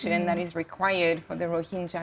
dan itu harusnya untuk orang rohingya